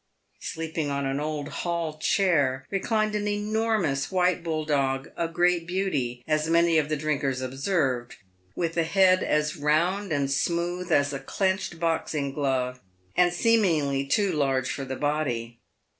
Sleeping on an old hall chair reclined an enormous white bulldog, " a great beauty," as many of the drinkers observed, with a head as round and smooth as a clenched boxing glove, and seemingly too large for the body.